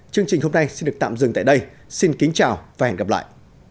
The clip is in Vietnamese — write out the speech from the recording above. chương trình hôm nay xin được tạm dừng tại đây xin kính chào và hẹn gặp lại